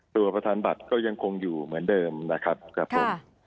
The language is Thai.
ตัวประธานบัตรก็ยังคงอยู่เหมือนเดิมนะครับครับผม